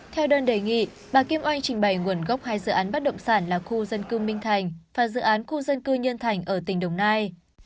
theo đơn đề nghị bà kim oanh trình bày nguồn gốc hai dự án bất động sản là khu dân cư minh thành và dự án khu dân cư nhân thành ở tỉnh đồng nai